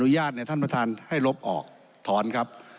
ให้ท่านประธานให้ลบออกถอนครับ